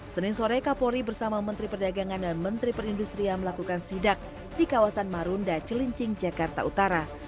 senin sore kapolri bersama menteri perdagangan dan menteri perindustrian melakukan sidak di kawasan marunda celincing jakarta utara